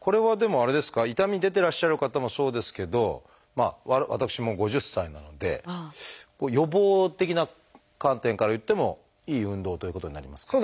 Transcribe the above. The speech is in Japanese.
これはでもあれですか痛み出てらっしゃる方もそうですけど私も５０歳なので予防的な観点からいってもいい運動ということになりますか？